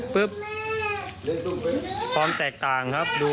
ปลอมแตกต่าง